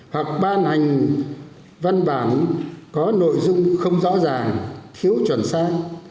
hoặc ban hành văn bản có nội dung không rõ ràng thiếu chuẩn sai